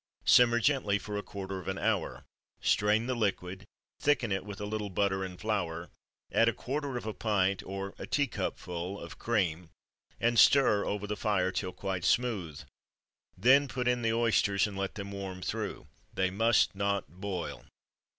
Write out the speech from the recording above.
Simmer gently for a quarter of an hour, strain the liquid, thicken it with a little butter and flour, add a quarter of a pint (or a teacupful) of cream, and stir over the fire till quite smooth. Then put in the oysters, and let them warm through they must not boil.